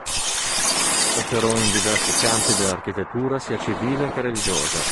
Operò in diversi campi dell'architettura sia civile che religiosa.